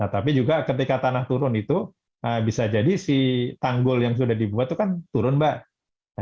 tapi juga ketika tanah turun itu bisa jadi si tanggul yang sudah dibuat itu kan turun mbak